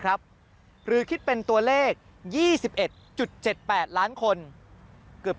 กลับวันนั้นไม่เอาหน่อย